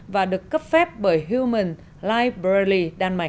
và được cấp phép bởi human library đan mạch